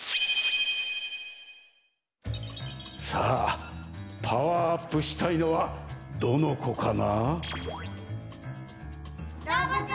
さあパワーアップしたいのはどのこかな？